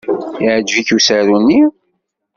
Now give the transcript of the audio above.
Yeɛjeb-ik usaru-nni?